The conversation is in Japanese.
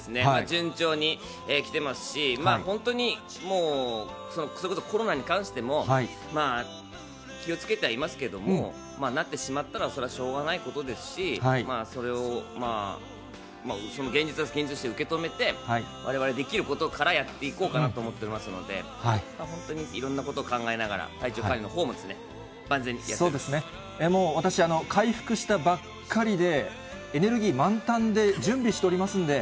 順調に来てますし、本当にもう、それこそコロナに関しても、気をつけてはいますけれども、なってしまったら、それはしょうがないことですし、それをその現実は現実として受け止めて、われわれ、できることからやっていこうかなと思っておりますので、本当にいろんなことを考えながら、体調管理のほうも、そうですね、私、回復したばっかりで、エネルギー満タンで準備しておりますんで。